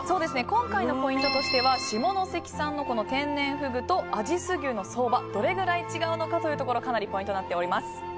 今回のポイントとしては下関産の天然フグと阿知須牛の相場がどのくらい違うのかがかなりポイントになっております。